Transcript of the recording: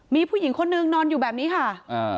มีผู้หญิงคนนึงนอนอยู่แบบนี้ค่ะอ่า